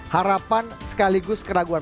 harapan sekaligus keraguan